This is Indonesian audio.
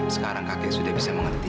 sekarang kakek sudah bisa mengerti